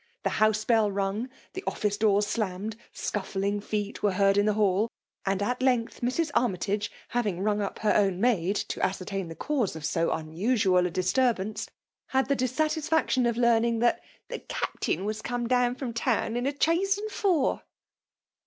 The house bell rung, the office doors slammed, scuffling feet were heard in the hall ; and, at length, Mrs. Armytage having rung up her own maid to ascertain the cause of so unusual a disturbance, had the dissatis faction of learning that " the Captain was come down from town, in a chaise and four.'